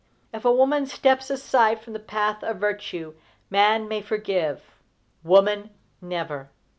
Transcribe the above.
If a woman steps aside from the path of virtue, man may forgive, woman never!